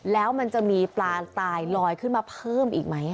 แล้วมันจะมีปลาตายลอยขึ้นมาเพิ่มอีกไหม